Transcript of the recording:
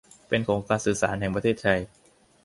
เป็นของการสื่อสารแห่งประเทศไทย